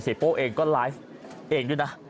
โป้เองก็ไลฟ์เองด้วยนะ